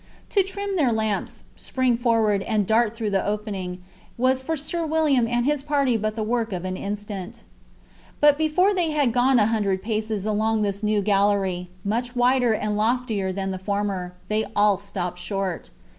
To trim their lamps, spring forward, and dart through the opening, was for Sir William and his party but the work of an instant. But before they had gone a hundred paces along this new gallery, much wider and loftier than the former, they all stopped short.